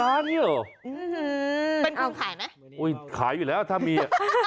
อื้อฮือเป็นคุณขายไหมโอ๊ยขายอยู่แล้วถ้ามี